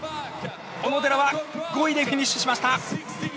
小野寺は５位でフィニッシュしました。